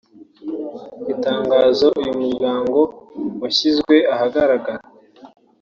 Itangazo uyu muryango washyizwe ahagaragara